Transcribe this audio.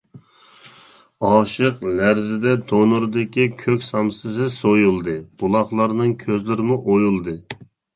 ئاشىق لەرزىدە تونۇردىكى كۆك سامسىسى سويۇلدى، بۇلاقلارنىڭ كۆزلىرىمۇ ئويۇلدى.